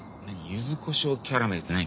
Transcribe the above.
ゆずこしょうキャラメルって何？